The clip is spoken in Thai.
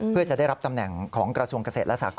เพื่อจะได้รับตำแหน่งของกระทรวงเกษตรและสากร